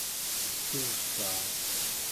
kuvaa